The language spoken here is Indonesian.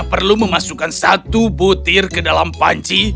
perlu memasukkan satu butir ke dalam panci